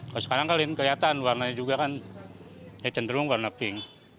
kalau sekarang kalian kelihatan warnanya juga kan ya cenderung warna pink